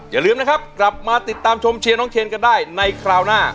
อย่าลืมนะครับกลับมาติดตามชมเชียร์น้องเชนกันได้ในคราวหน้า